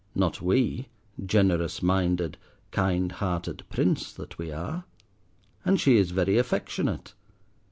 not we, generous minded, kind hearted Prince that we are. And she is very affectionate.